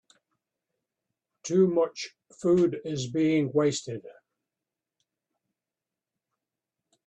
Too much food is being wasted.